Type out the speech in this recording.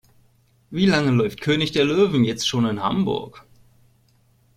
Wie lange läuft König der Löwen jetzt schon in Hamburg?